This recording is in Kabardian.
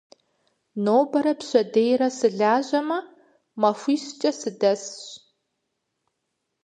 Нобэрэ пщэдейрэ сылэжьэжмэ, махуищкӏэ сыдэсщ.